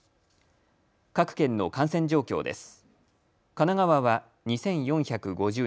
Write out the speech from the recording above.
各県の感染状況です。